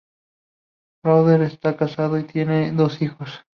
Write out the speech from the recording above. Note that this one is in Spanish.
Roeder está casado y tiene dos hijos.